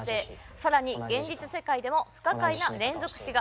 さらに現実世界でも不可解な連続死が。